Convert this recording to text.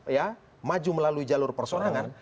ya maju melalui jalur persorangan